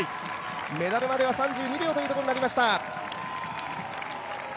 メダルまで３２秒というところになりました。